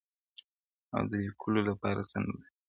او د لیکلو لپاره څه نه لري -